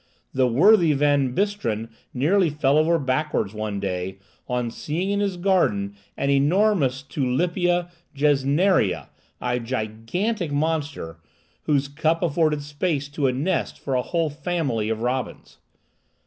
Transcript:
The worthy Van Bistrom nearly fell over backwards, one day, on seeing in his garden an enormous "Tulipa gesneriana," a gigantic monster, whose cup afforded space to a nest for a whole family of robins!